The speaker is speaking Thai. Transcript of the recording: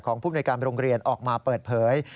ของผู้บริการบริโรงเรียนออกมาเปิดเผย